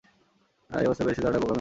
এই অবস্থায় প্যারিসে যাওয়াটাও বোকামি হবে।